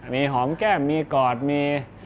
มีหอมแก้มมีกอดมี